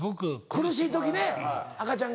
苦しい時ね赤ちゃんが。